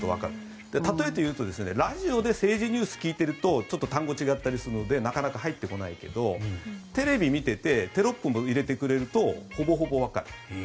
例えて言うと、ラジオで政治ニュースを聞いたりするとちょっと単語が違ったりするのでなかなか入ってこないけどテレビを見ていてテロップも入れてくれるとほぼほぼわかる。